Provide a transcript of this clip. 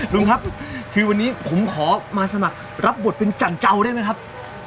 ลุงครับคือวันนี้ผมขอมาสมัครรับบทเป็นจันเจ้าได้ไหมครับ